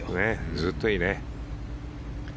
ずっといいね。